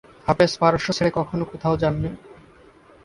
হাফেজ পারস্য ছেড়ে কখনো কোথাও যাননি।